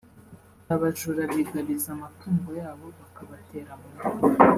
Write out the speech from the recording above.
abajura bigabiza amatungo yabo bakabatera mu ngo